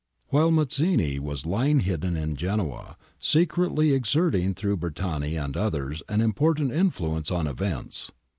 Meanwhile Mazzini was lying hidden in Genoa, secretly exerting through Bertani and others an impor tant influence on events.